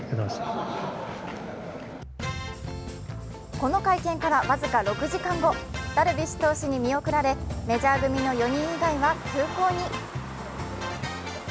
この会見から僅か６時間後ダルビッシュ投手に見送られメジャー組の４人以外は空港に。